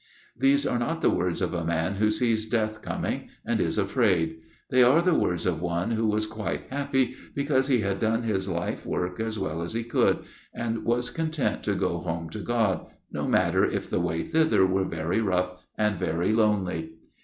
These are not the words of a man who sees death coming, and is afraid; they are the words of one who was 'quite happy,' because he had done his life work as well as he could, and was content to go home to God, no matter if the way thither were very rough and very lonely.